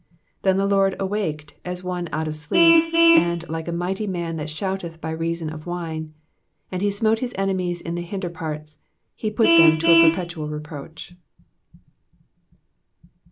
65 Then the Lord awaked as one out of sleep, and like a miehty man that shouteth by reason of wine. TO And he smote his enemies in the hinder parts : he put them to a perpetual reproach.